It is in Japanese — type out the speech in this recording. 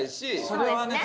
それはね